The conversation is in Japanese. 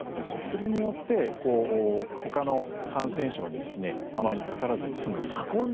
それによって、ほかの感染症にあまりかからずに済んでいた。